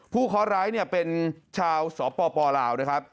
ผู้เคาะร้ายเป็นชาวสปลาวนะครับ